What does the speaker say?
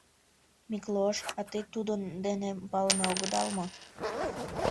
— Миклош, а те тудын дене палыме огыдал мо?